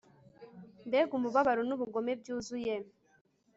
Mbega umubabaro nubugome byuzuye